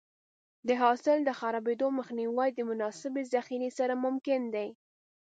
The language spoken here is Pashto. د حاصل د خرابېدو مخنیوی د مناسبې ذخیرې سره ممکن دی.